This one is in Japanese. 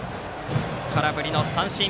空振り三振。